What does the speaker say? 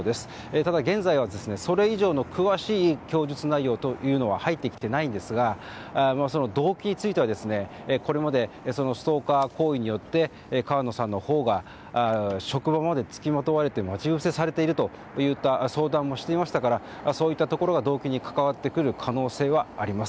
ただ、現在はそれ以上の詳しい供述内容というのは入ってきていないんですがその動機についてはこれまで、ストーカー行為により川野さんのほうが職場までつきまとわれて待ち伏せされているといった相談もしていましたからそういったところが動機に関わってくる可能性はあります。